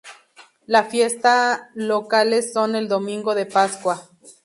Las fiesta locales son el domingo de Pascua.